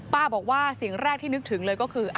บอกว่าสิ่งแรกที่นึกถึงเลยก็คือ